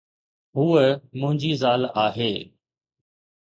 ھوءَ منھنجي زال آھي.